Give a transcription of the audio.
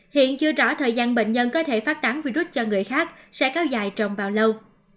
hiện chưa rõ thời gian bệnh nhân có thể phát tán virus cho người khác sẽ kéo dài trong bao lâu